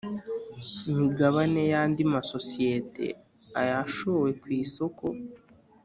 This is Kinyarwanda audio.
migabane y andi masosiyete ayashowe ku isoko